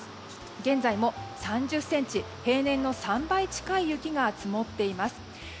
現在も３０ｃｍ平年の３倍近い雪が積もっています。